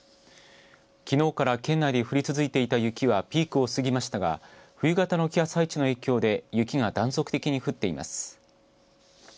きのうから県内で降り続いていた雪がピークを過ぎましたが冬型の気圧配置の影響で雪が断続的に降っています。